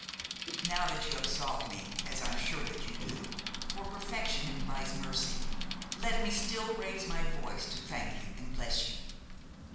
"Now that you absolve me–as I am sure that you do, for perfection implies mercy–let me still raise my voice to thank you and bless you.